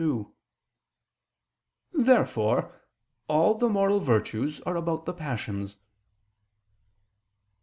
Therefore all the moral virtues are about the passions.